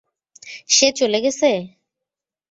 সে চলে গেছে?